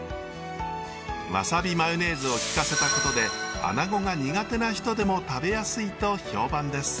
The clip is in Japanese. わさびマヨネーズを利かせたことでアナゴが苦手な人でも食べやすいと評判です。